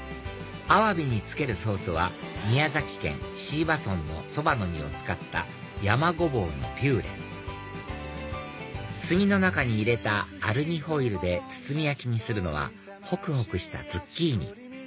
アワビにつけるソースは宮崎県椎葉村のソバの実を使った山ゴボウのピューレ炭の中に入れたアルミホイルで包み焼きにするのはほくほくしたズッキーニ